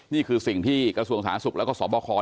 นี่คือสิ่งที่กระทรวงศาสตร์ศุกร์แล้วก็ศอบคร